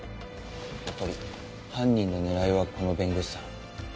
やっぱり犯人の狙いはこの弁護士さん。